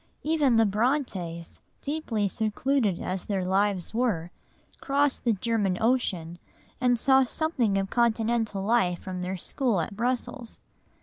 Even the Brontës, deeply secluded as their lives were, crossed the German Ocean, and saw something of Continental life from their school at Brussels.